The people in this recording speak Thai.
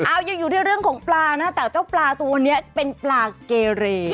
เอายังอยู่ที่เรื่องของปลานะแต่เจ้าปลาตัวนี้เป็นปลาเกเร